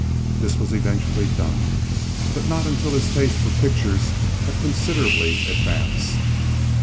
This was eventually done; but not until his taste for pictures had considerably advanced.